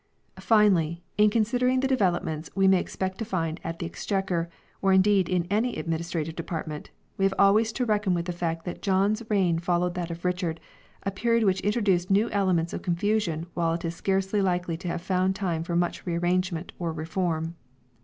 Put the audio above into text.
Finally in considering the de velopments we may expect to find at the Exchequer, or indeed in any administrative department, we have always to reckon with the fact that John's reign fol lowed that of Richard, a period which introduced new elements of confusion while it is scarcely likely to have found time for much rearrangement or reform.